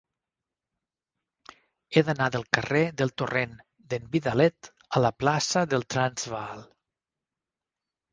He d'anar del carrer del Torrent d'en Vidalet a la plaça del Transvaal.